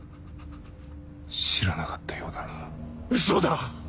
知らなかったようだなウソだ！